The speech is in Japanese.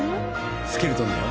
スケルトンだよ。